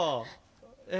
え